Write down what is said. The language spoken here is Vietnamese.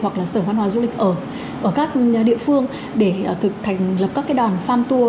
hoặc là sở văn hóa du lịch ở các địa phương để thực thành lập các đoàn farm tour